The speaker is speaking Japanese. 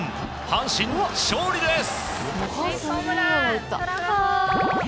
阪神、勝利です。